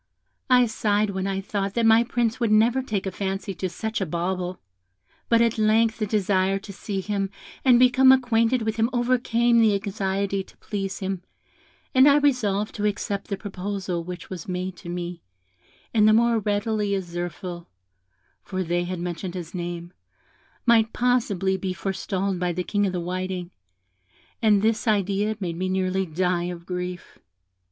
I sighed when I thought that my Prince would never take a fancy to such a bauble; but at length the desire to see him and become acquainted with him overcame the anxiety to please him, and I resolved to accept the proposal which was made to me, and the more readily as Zirphil (for they had mentioned his name) might possibly be forestalled by the King of the Whiting, and this idea made me nearly die of grief.